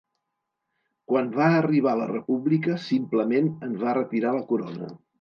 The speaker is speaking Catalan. Quan va arribar la república simplement en va retirar la corona.